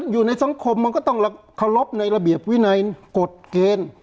อยู่ในสังคมมันก็ต้องเคารพในระเบียบวินัยกฎเกณฑ์